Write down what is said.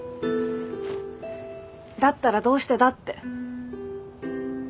だったらどうしてだ？って。